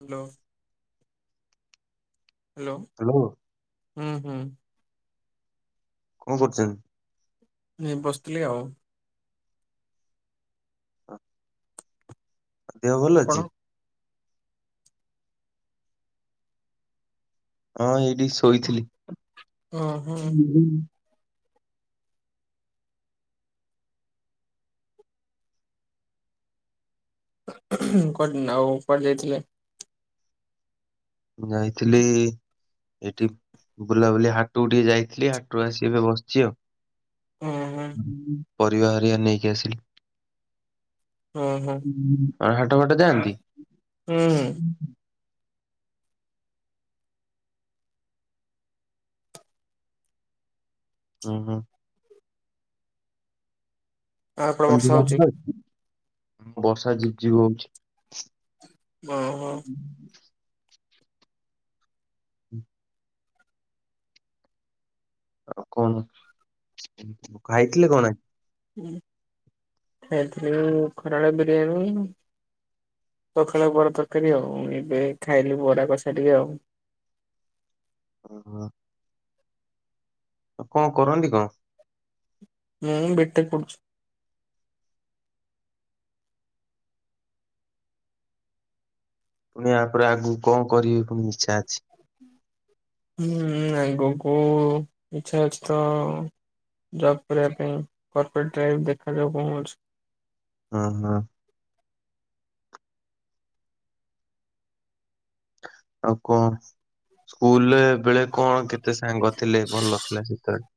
Hello hello. Hello. ହୁଁ ହୁଁ। କଣ କରୁଛନ୍ତି? ମୁଁ ଏଇ ବସିଥିଲି ଆଉ। ଦେହ ଭଲ ଆପଣ? ଅଛି? ହଁ ଏଇଠି ଶୋଇଥିଲି। ହଁ ହଁ କୁଆଡେ ନା ଆଉ କୁଆଡେ ଯାଇଥିଲେ? ମୁଁ ଯାଇଥିଲି ଏଇଠି ବୁଲାବୁଲି ହାଟକୁ ଟିକେ ଯାଇଥିଲି ହାଟରୁ ଆସି ଏବେ ବସିଛି ଆଉ। ହୁଁ ହୁଁ ପରିବା ହେରୀକା ନେଇକି ଆସିଲି। ହୁଁ ହୁଁ ଆଉ ହାଟ ଫାଟ ଯାଆନ୍ତି? ହୁଁ ହୁଁ ଉହୁଁ। ଆଉ ଏପଟେ ବର୍ଷା ହଉଛି? ବର୍ଷା ଝିପ୍ ଝିପ୍ ହୋ। ଓହୋ। ହୁଁ। ଆଉ କଣ? କଣ ଖାଇଥିଲେ କଣ ଆ ଖାଇଥିଲୁ ଖରାବେଳେ ବିରିୟାନୀ ସଖାଳେ ବରା ତରକାରୀ ଆଉ। ଏବେ ଖାଇଲୁ ବରା କସା ଟିକେ ଆଉ। ଓହୋ। ଆଉ କଣ କରନ୍ତି କଣ? ମୁଁ ବିଟେକ୍ ପଢ଼ୁଛି। ପୁଣି ଇଆପରେ ଆଗକୁ କଣ କରିବେ ପୁଣି ଇଚ୍ଛା ଅଛି? ହୁଁ ଆଗକୁ ଇଚ୍ଛା ଅଛି ତ ଜବ୍ କରିବା ପାଇଁ କର୍ପୋରେଟ୍ ଡ୍ରାଇଭ୍ ଦେଖାଯାଉକଣ ହଉଛି। ଓ ହୋ। ଆଉ କଣ ସ୍କୁଲ୍ ରେ ବେଳେ କଣ କେତେ ସାଙ୍ଗ ଥିଲେ ଭଲ ଥିଲା ସେତେବେଳେ?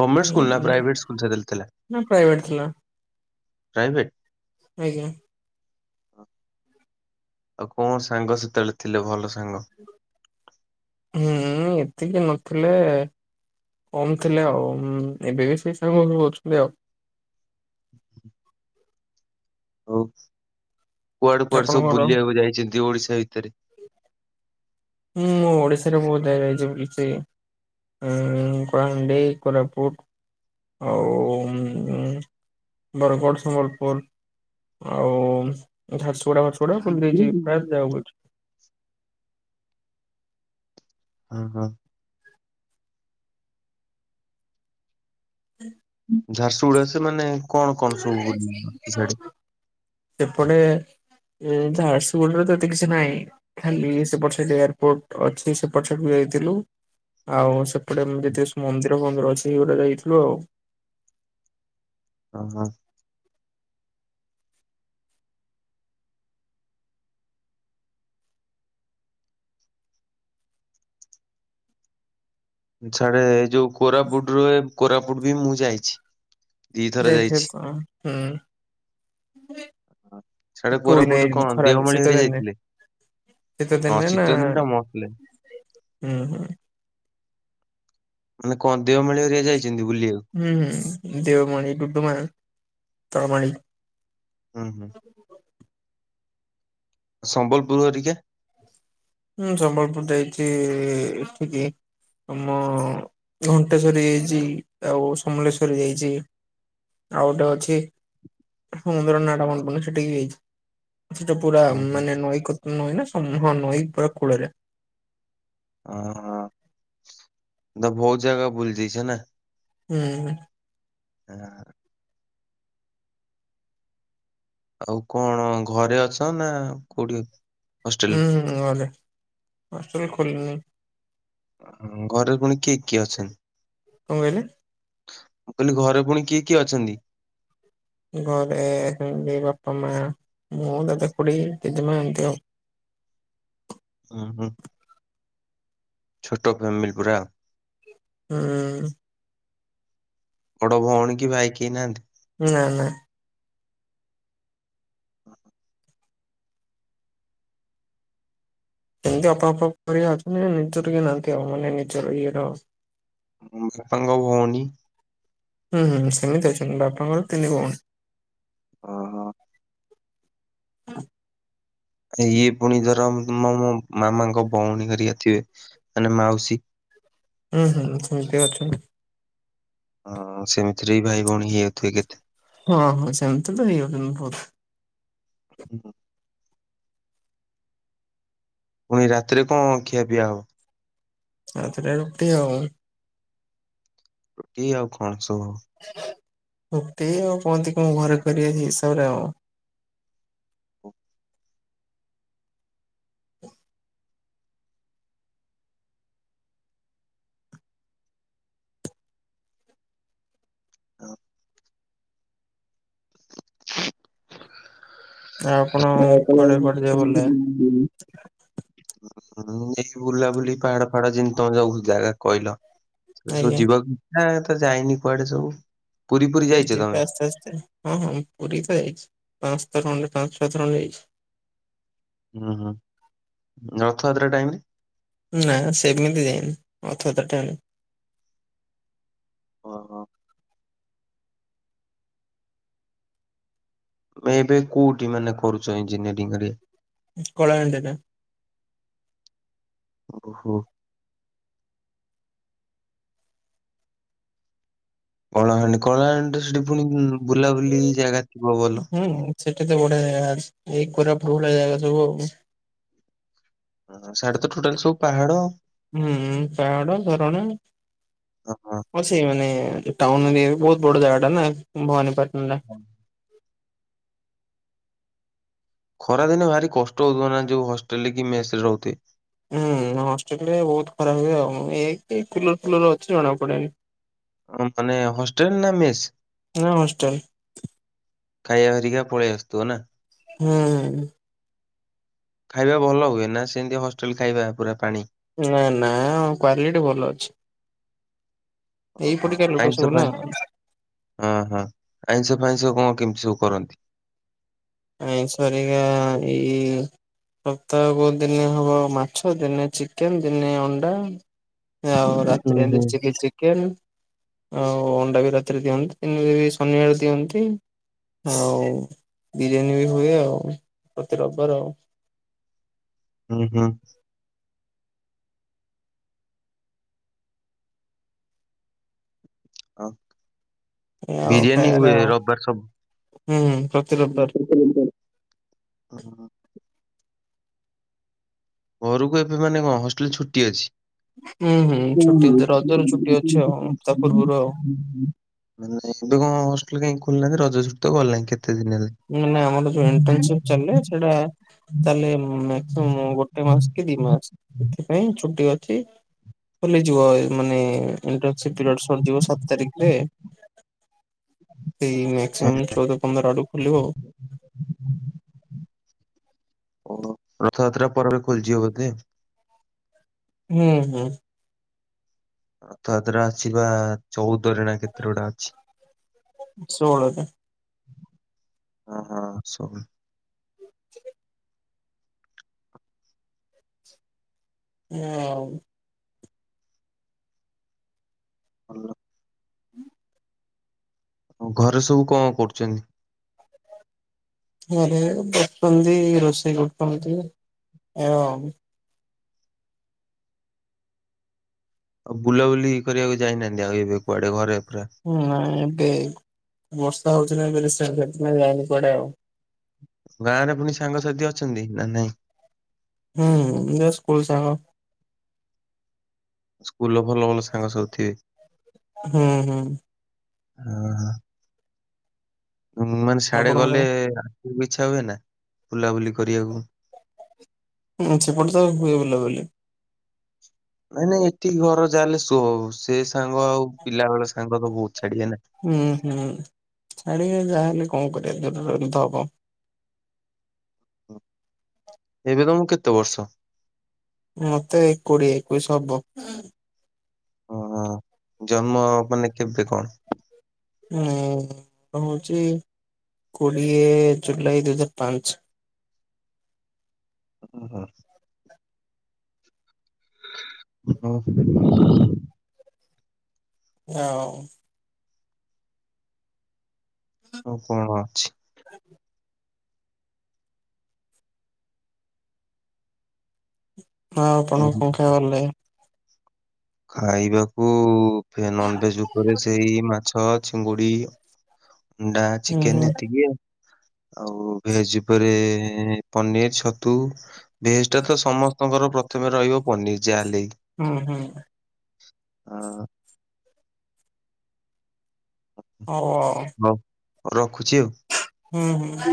ଗମେଣ୍ଟ୍ ସ୍କୁଲ୍ ନା ହୁଁ ପ୍ରାଇଭେଟ୍ ସ୍କୁଲ୍ [unintelligible] ପ୍ରାଇଭେଟ୍। ନା ପ୍ରାଇଭେଟ୍ ଥିଲା ଆଜ୍ଞା। ଆଉ କଣ ସାଙ୍ଗ ସେତେବେଳେ ଥିଲେ ଭଲ ସାଙ୍ଗ? ହୁଁ ଏତିକି ନଥିଲେ କମ୍ ଥିଲେ ଆଉ ଏବେ ବି ସେଇ ସାଙ୍ଗ ଅଛନ୍ତି ଆଉ। ହଉ କୁଆଡ଼େ କୁଆଡ଼େ ସବୁ ଆପଣଙ୍କର? ବୁଲିବାକୁ ଯାଇଛନ୍ତି ଓଡ଼ିଶା ଭିତରେ? ହୁଁ ମୁଁ ଓଡ଼ିଶାରେ ବହୁତ୍ ଜାଗା ଯାଇଛି ବୁଲିଚି। ଉଁ କଳାହାଣ୍ଡି, କୋରାପୁଟ ଆଉ ବରଗଡ଼, ସମ୍ବଲପୁର୍। ଆଉ ଝାରସୁଗୁଡ଼ା ଫାରସୁଗୁଡା [unintelligible] ପ୍ରାୟ [unintelligible] ଓ ହୋ। ହୁଁ ଝାରସୁଗୁଡ଼ା ସେ ମାନେ କଣ କଣ ସବୁ ବୁଲି ଅଛି ସିଆଡେ? ଏପଟେ ହୁଁ ଝାରସୁଗୁଡ଼ାରେ ତ ଏତେ କିଛି ନାହିଁ। ଖାଲି [unintelligible] ଏୟାରପୋର୍ଟ ଅଛି [unintelligible] ଯାଇଥିଲୁ ଆଉ ସେ ଏପଟେ ଯେତେ ସବୁ ମନ୍ଦିର ଫନ୍ଦିର ଅଛି [unintelligible] ଗୋଟେ ଯାଇଥିଲୁ ଆଉ। ଓ ହୋ। ସିଆଡେ ଏ ଯୋଉ କୋରାପୁଟ ରୁ ଏ କୋରାପୁଟ୍ ବି ମୁଁ ଯାଇଛି। ଦିଥର ଯାଇଛି। [unintelligible] ହୁଁ। ସିଆଡେ [unintelligible] କୋରାପୁଟରେ ନାଇଁ କଣ ଖରାରେ ଦେଓମାଳି ଶୀତ ହେରିକା ଦିନେ ଯାଇଥିଲେ? ଶୀତ ହଁ ଦିନେ ଶୀତ ନା ଦିନ ଟା ମସ୍ତ ଲାଗେ ହୁଁ ହୁଁ। ମାନେ କଣ ଦେଓମାଳି ହେରିକା ଯାଇଛନ୍ତି ବୁଲିବାକୁ? ହୁଁ ହୁଁ ଦେଓମଣି, ଡୁ଼ଡୁ଼ମା, ଦେଓମାଳି। ହୁଁ ହୁଁ। ସମ୍ବଲପୁର୍ ହେରିକା? ହୁଁ ସମ୍ବଲପୁର୍ ଯାଇଛି ଏଠିକି ମୁଁ ଘଣ୍ଟେଶ୍ଵରୀ ଯାଇଚି ଆଉ ସମଲେଶ୍ଵରୀ ଯାଇଚି। ଆଉ ଗୋଟେ ଅଛି ସମୁଦ୍ର ନାଁ ଟା ମନେପଡୁନି ସେଠିକି ଯାଇଛି। ସେଟା ପୁରା ହଁ ହଁ ମାନେ ନଈ କ ନଈ ନା [unintelligible] ନଈ ପୁରା କୂଳରେ। ଓ ହୋ ତ ବହୁତ୍ ଜାଗା ବୁଲିଯାଇଛ ନା? ହୁଁ ହୁଁ। [inaudible] ଆଉ କଣ ଘରେ ଅଛ ନା କୋଉଠି ହଷ୍ଟେଲ୍ ହୁଁ ରେ? ଘରେ ହଷ୍ଟେଲ୍ ଖୋଲିନି। ଘରେ ପୁଣି କିଏ କିଏ ଅଛନ୍ତି? କଣ କହିଲେ? ମୁଁ କହିଲି ଘରେ ପୁଣି କିଏ କିଏ ଅଛନ୍ତି? ଘରେ [unintelligible] ବାପା, ମା, ମୁଁ, ଦାଦା, ଖୁଡ଼ୀ, ଜେଜେ ମା ଏମିତି ଆଉ। ହୁଁ ହୁଁ। ଛୋଟ ଫ୍ୟାମିଲି ପୁରା। ହୁଁ। ବଡ ଭଉଣୀ କି ଭାଇ କେହି ନାହାନ୍ତି? ନା ନା। ଏମିତି ଅପପପ କରିବା ଅଛ ନିଜର କି ନାହାନ୍ତି ଆଉ ମାନେ ନିଜର ଇଏର। ବାପାଙ୍କ ଭଉଣୀ ହୁଁ ହୁଁ ସେମିତି ଅଛନ୍ତି ବାପାଙ୍କର ତିନି ଭଉଣୀ। ଓହୋ। ଇଏ ପୁଣି ଧର ମୋ ମାମାଙ୍କ ଭଉଣୀ କରିକ ଥିବେ ମାନେ ମାଉସୀ ହୁଁ ହୁଁ ସେମତି ଅଛନ୍ତି। ହଁ ସେମିତିରେ ବି ଭାଇ ଭଉଣ ହେଇଯାଉଥିବେ କେତେ? ହଁ ହଁ ସେମିତି ତ ହେଇ ଯାଉଛନ୍ତି ବହୁତ। ହୁଁ ହୁଁ। ପୁଣି ରାତିରେ କଣ ଖିଆ ପିଇଆ ହବ। ରାତିରେ ରୁଟି ଆଉ। ରୁଟି ଆଉ କଣ ସବୁ? ଗୋଟେ ଆଉ କହନ୍ତି କିଁ ଘରେ କରି ଆଛି ହିସାବରେ ଆଉ ହଁ। ଆଉ ଆପଣ କୁଆଡେ କୁଆଡେ ଯିବାକୁ ଭଲ ଲାଗେ? [unintelligible] ହୁ ଏି ବୁଲାବୁଲି ପାହାଡ ଫାଡ ଯେମିତି ତମ ଯାଉ ଜାଗା କହିଲ? ସେ ସବୁ ଆଜ୍ଞା ଯିବାକୁ ଇଛ ତ ଯାଇନି କୁଆଡେ ସବୁ। ପୁରୀ ପୁରୀ ଯାଇଛ ଯିବି ତମେ? ଆସ୍ତେ ଆସ୍ତେ ହଁ ହଁ ପୁରୀ ତ ଯଇଛି ପାଞ୍ଚ ଥରଣରେ ପାଞ୍ଚ ଛଅ ଥଣ୍ଡ ଯାଇଛି। ହୁଁ ହୁଁ ରଥଯାତ୍ରା ଟାଇମରେ। ନା ସେମିତି ଯାଇନି ଅଥତଟାନି ଓ ହୋ। ଏବେ କୋଉଠି ମାନେ କରୁଛ ଇଞ୍ଜିନିୟରିରେ? କଳାହାଣ୍ଡି ରେ। ଓହୋ। କଳାହାଣ୍ଡି କଳାହାଣ୍ଡି ସେଠି ପୁଣି ବୁଲାବୁଲି ଜାଗା ଥିବ ଭଲ। ହୁଁ ସେଠି ତ ବଢିଆ ଏଇ ପରାୁ ଭଳିଆ ଜାଗା ସବୁ ଆଉ ହଁ ସେଢଡେ ତ ଟୋଟାଲ ସବୁ ପାହାଡ। ହୁଁ ପଡ କାରଣ ହଉ ସେଇ ମାନେ ଟାଉନ ଏ ବହୁତ ବଡ ଜାଗା ଟା ନା ଭବାନୀପାଟଣା ଟା ହଁ। ଖରାଦିନେ ଭାରି କଷ୍ଟ ହଉଥିବ ନା ଯୋଉ ହଷ୍ଟେଲ ରେ କି ମେସ ରେ ରହୁଥେ। ହୁଁ ହଷ୍ଟେଲ ରେ ବହୁତ ଖରାପ ହୁଏ ଆଉ ଏ ଫୁଲର ଫୁଲର ଅଛି ଜଣା ପଡେନି। ମାନେ ହୋଷ୍ଟେଲ ନା ମେଷ? ନା ହଷ୍ଟେଲ କାୟହାରରିିକା ପଳେଇ ଆସତୁ ନା। ହୁଁ ଖାଇବା ଭଲ ହୁଏ ନା ସେମିତି ହଷ୍ଟେଲ ଖାଇବା ପୁରା ପାଣି। ନା ନା କୁଆଲିଟି ଭଲ ଅଛି। ଏଇ ଓହୋ ପଟିକା ଲୋକ ଆଇଁଷ ସବୁ ନା ପାଇଁଁ ହଁ ହଁ ଆଇଁଷ ପାଇଁଇଁସ କଣ କେମତି ସବୁ କରନ୍ତି ଆ ସାରଗା ଏଇ ସପ୍ତାହକୁ ଦିନେ ହବ ମାଛ ଦିନେ ଚିକେନ ଦିନେ ଅଣ୍ଡା? ହଉଁଉ ହୁଁ ହୁଁ। ରାତ୍ରରେ ଚିକନ୍ ଚିକେନ ଆଉ ଅଣ୍ଡା ବି ରାତିରେ ଦିଅନ୍ତି ତିନି ଶନିବଳେ ଦିଅନ୍ତି ଆଉ ବିରିୟାନୀ ବି ହୁଏ ଆଉ ପ୍ରତି ରବାର ଆଉ? ହୁଁ ହୁଁ। ଆଉ? ଏଇଆ ଆଉ ବିରିୟାନୀ ଖାଇବାରେ ହୁଏ ଆଉ ରବିବାର ସବୁ ହୁଁ ପ୍ରତି ରବିବାର ହଁ। ଘରକୁ ଏବେ ମାନେ କଣ ହଷ୍ଟେଲ ଛୁଟି ଅଛି? ହୁଁ ହୁଁ ଛୁଟି ରଜରେ ଛୁଟି ଅଛି ଆଉ ତା ପୂର୍ବରୁ ଆଉ। [unintelligible] ମାନେ ଏବେ କଣ ହଷ୍ଟେଲ କାହିଁ ଖୋଲ ନାହାନ୍ତି ରଜ ଛୁ ତ ଗଲାଣିଁ କେତେ ଦିନ ହେଲାଣି। ଁ ଆମର ଯୋଉ ଇଣ୍ଟସିପ ଚା ସେଟା ତାହଲେ ଗୋଟେ ମାସ କି ଦି ମାସ ଏଥିପାଇଁ ଛୁଟି ଅଛି ଖୋଲିଯିବ ମାନେ ଇଣ୍ଟସି ପିରି ସଯିବ ସାତ ତାରିଖରେ। ସେଇ ମକ୍ସିମମ୍ ଚଉଦ ପନ୍ଦର ଆଡୁ ଖଲିବ ଆଉ। [inaudible] ଓ ରଥଯାତ୍ରା ପରେ ଖୋଲିଯିବ ବୋଧେ ହୁଁ ହୁଁ। ରଥ ଯାତ୍ରା ଅଛି ପା ଚଉଦରେ ନା କେତେ ଗୋଡା ଅଛି। ଷୋହଳରେ ହଁ ହଁ ସବୁ [unintelligible] ଭଲ। ହୁଁ। ଘରେ ସବୁ କଣ କରୁଛନ୍ତି? ଆରେ ବସୁଛନ୍ତି ରୋଷେଇ କରୁଛନ୍ତି ଏବଂ ଆଉ ବୁଲାବୁଲି କରିବାକୁ ଯାଇନାହାନ୍ତି ଆଉ ଏବେ କୁଆଡେ ଘରେ ପୁରା ନାଇଁ ଏବେ ବର୍ଷା ହଉଛି ନାଁ ସେ ସେଥିପାଇଁ ଯାଇନି କୁଆଡେ ଆଉ। ଗାଁ ରେ ପୁଣି ସାଙ୍ଗସାଥି ଅଛନ୍ତି ନା ନାଇଁ? ହୁଁ ଯଉ ସ୍କୁଲ ସାଙ୍ଗ ସ୍କୁଲ ର ଭଲ ଭଲ ସାଙ୍ଗ ସବୁ ଥିବେ। ହୁଁ ହୁଁ। ହ ମାନେ ସାଡେ ଗଲେ ଆପଣଙ୍କର? ଇଚ୍ଛା ହୁଏ ନା ବୁଲାବୁଲି କରିବାକୁ। ହୁଁ ସେପଟେ ତ ହୁଏ ବୁଲା ବୁଲି। ନାଇଁ ନାଇଁ ଏଠକି ଘର ଯାହା ହେଲେ ସେ ସାଙ୍ଗ ଆଉ ପିଲାବେେଳେ ସାଙ୍ଗ ତ ବହୁତ ଛାଡିିବେ ନା। ହୁଁ ହୁଁ ଛାଡିବା ଯାହାହେଲେ କଣ କରିବା ଦୂରଧ ହବ ଏବେ ତମ କୁ କେତେ ବର୍ଷ? ମତେ କୋଡିଏ ଏକୋଇଶ ହବ। ଓହୋ ଜନ୍ମ ମାନେ କେମେତି କନ୍? ନାଇ ହଉଛି କୋଡିଏ ଜୁଲାଇ ଦୁଇ ହଜାର ପାଞ୍ଚ। ଓ ହୋ [inaudible] [inaudible] ଓ କଣ ଅଛି [unintelligible] ହଁ ଆଉ ଆପଣଙ୍କ କଣ ଖାଇବା କୁ ଭଲ ଲାଗେ? ଖାଇବାକୁ ନନଭେଜ ଉପରେ ସେଇ ମାଛ ଚିଙ୍ଗୁଡି ଅଣ୍ଡା ହୁଁ ହୁଁ ଚିକେନ ଏତିକି ଆଉ। ଆଉ ଭେଜ ଉପରେ ପନିର ଛତୁ ଭେଜ ଟା ତ ସମସ୍ତ ଆପଣଙ୍କର ପ୍ରଥମେ ରହିବ ପନିର ଜାଲି ହୁଁ ହୁଁ। ହଁ। ହ ଓ। ହଉ ରଖୁଛି ଆଉ। ହୁଁ ହୁଁ।